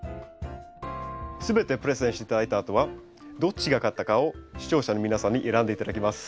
全てプレゼンして頂いたあとはどっちが勝ったかを視聴者の皆さんに選んで頂きます。